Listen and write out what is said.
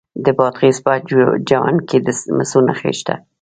د بادغیس په جوند کې د مسو نښې شته.